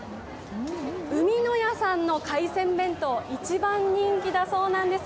海のやさんの海鮮弁当、一番人気だそうなんです。